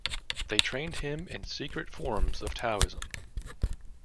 They trained him in secret forms of Taoism.